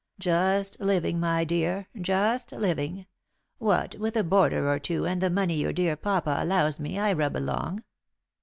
"Just living, my dear, just living. What with a boarder or two and the money your dear papa allows me I rub along."